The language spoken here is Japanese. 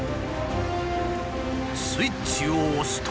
スイッチを押すと。